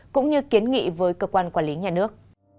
cũng như kiến nghị với cơ quan quản lý nhà nước